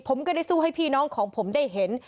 ผมก็ได้สู้ให้พี่น้องของผมได้เห็น